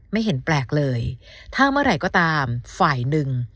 ไม่เห็นแปลกเลยถ้าเมื่อไหร่ก็ตามฝ่ายหนึ่ง